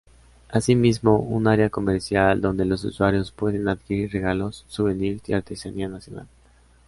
Asimismo, un área comercial, donde los usuarios pueden adquirir regalos, souvenirs y artesanía nacional.